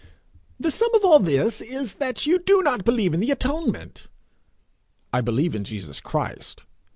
'The sum of all this is that you do not believe in the atonement?' I believe in Jesus Christ.